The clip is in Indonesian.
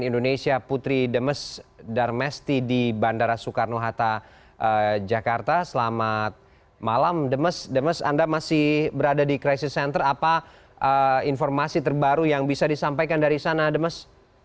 demes anda masih berada di crisis center apa informasi terbaru yang bisa disampaikan dari sana demes